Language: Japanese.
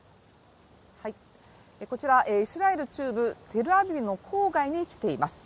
こちらイスラエル中部テルアビブの郊外に来ています。